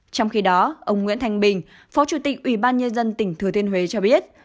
trong khi đó ông nguyễn thanh bình phó chủ tịch ủy ban nhân dân tỉnh thừa thiên huế cho biết